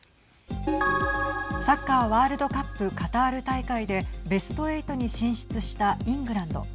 サッカーワールドカップカタール大会でベスト８に進出したイングランド。